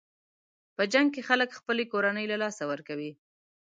په جنګ کې خلک خپلې کورنۍ له لاسه ورکوي.